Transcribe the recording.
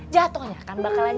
jatohnya akan bakalan diambil